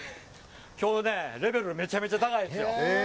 今日、レベルがめちゃめちゃ高いですよ。